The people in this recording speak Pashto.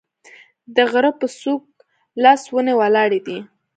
د غره په څوک لس ونې ولاړې دي